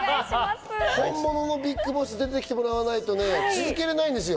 本物のＢＩＧＢＯＳＳに出てきてもらわないとね、続けられないんですよ。